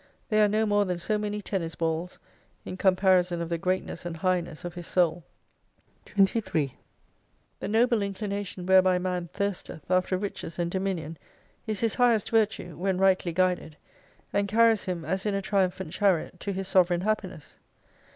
They are no more ihan so many tennis balls, in comparison of the Greatness and Highness of his Soul. The noble inclination whereby man thirsteth after riches and dominion, is his highest virtue, when rightly guided ; and carries him as in a triumphant chariot, to his sovereign happiness.